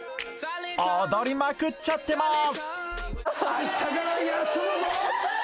踊りまくっちゃってます